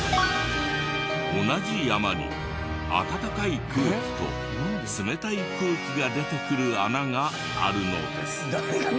同じ山に温かい空気と冷たい空気が出てくる穴があるのです。